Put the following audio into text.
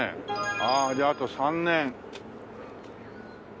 ああじゃああと３年。